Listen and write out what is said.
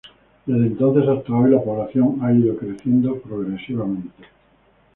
Desde entonces hasta hoy la población ha ido creciendo progresivamente.